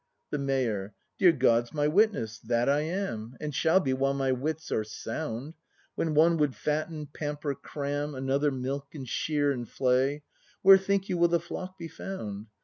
The Mayor. Dear God's my witness, that I am! And shall be while my wits are sound! When one would fatten, pamper, cram, — Another milk and shear and flay, — Where, think you, will the flock be found